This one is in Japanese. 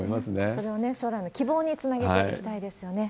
それを将来の希望につなげていきたいですよね。